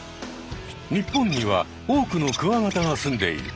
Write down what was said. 日本には多くのクワガタがすんでいる。